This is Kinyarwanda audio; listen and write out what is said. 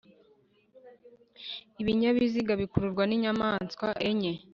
lbinyabiziga bikururwa n inyamaswa enye